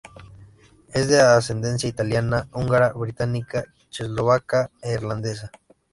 Es de ascendencia italiana, húngara, británica, checoslovaca e irlandesa.